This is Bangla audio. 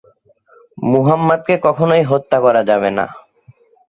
মুহাম্মাদকে কখনই হত্যা করা যাবে না।